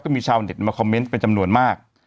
มีชาวเน็ตมาคอมเมนต์เป็นจำนวนมาก